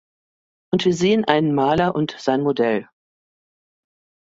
Und wir sehen einen Maler und sein Modell.